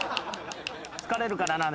疲れるからな。